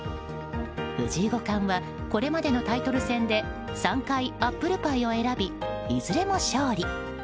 藤井五冠はこれまでのタイトル戦で３回、アップルパイを選びいずれも勝利。